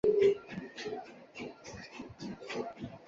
埃斯珀泽人口变化图示